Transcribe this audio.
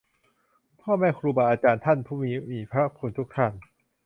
พ่อแม่ครูบาอาจารย์ ท่านผู้มีพระคุณทุกท่าน